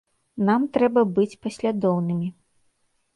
Нам трэба быць паслядоўнымі.